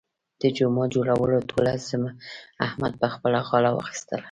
د جومات جوړولو ټوله ذمه احمد په خپله غاړه واخیستله.